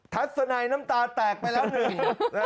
ทัศนัยน้ำตาแตกไปแล้วหนึ่ง